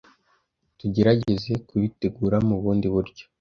tugerageze kubitegura mu bundi buryo.